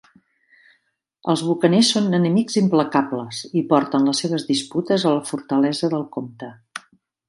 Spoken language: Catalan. Els bucaners són enemics implacables i porten les seves disputes a la fortalesa del Compte.